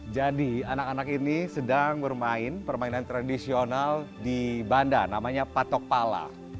jadi anak anak ini sedang bermain permainan tradisional di banda namanya patok pala